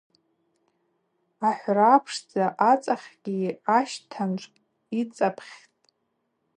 Ахӏврапшдза ацӏахьгьи ащтанчӏв ыцӏапхьитӏ.